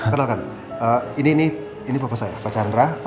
kenalkan ini bapak saya pak chandra